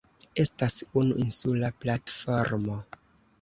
Estas unu insula platformo.